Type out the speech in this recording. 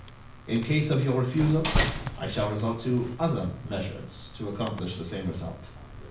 "In case of your refusal, I shall resort to other measures to accomplish the same result.